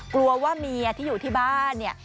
กลัวว่าเมียที่อยู่ที่บ้านเนี่ย